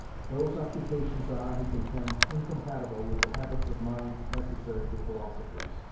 Those occupations are, he contends, incompatible with the habits of mind necessary to philosophers.